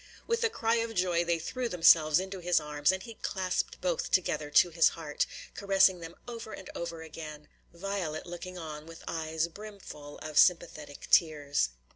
With a cry of joy they threw themselves into his arms, and he clasped both together to his heart, caressing them over and over again, Violet looking on with eyes brimful of sympathetic tears.